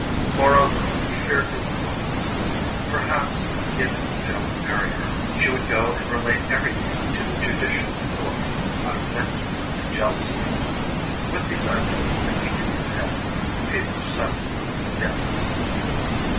Moreover, he feared his accomplice; perhaps, if he failed to marry her, she would go and relate everything to the judicial authorities out of vengeance and jealousy. With these ideas beating in his head the fever settled on him again.